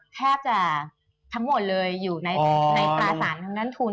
แทบจะทั้งหมดเลยอยู่ในตราสารทางด้านทุน